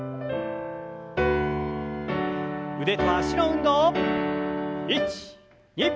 腕と脚の運動。